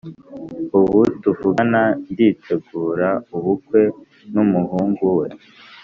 ubu tuvugana nditegura ubukwe numuhungu we